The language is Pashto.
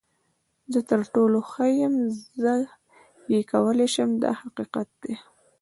زه تر ټولو ښه یم، زه یې کولی شم دا حقیقت دی.